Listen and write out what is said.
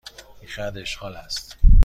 این خط اشغال است.